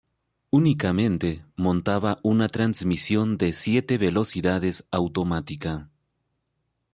Únicamente montaba una transmisión de siete velocidades automática.